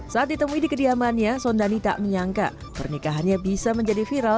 saat ditemui di kediamannya sondani tak menyangka pernikahannya bisa menjadi viral